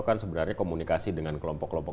kan sebenarnya komunikasi dengan kelompok kelompok